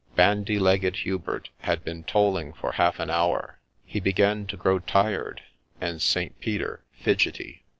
— Bandy legged Hubert had been tolling for half an hour ;— he began to grow tired, and St. Peter fidgety.